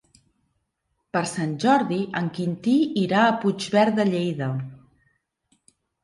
Per Sant Jordi en Quintí irà a Puigverd de Lleida.